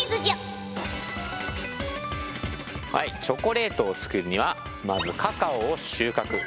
チョコレートを作るにはまずカカオを収穫。